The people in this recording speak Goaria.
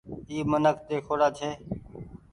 اي منک ۮيکوڙآ ڇي۔